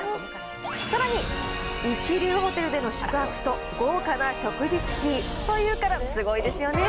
さらに一流ホテルでの宿泊と豪華な食事付きというからすごいですよね。